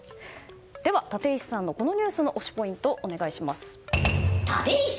では、立石さん、このニュースの推しポイントをお願いします。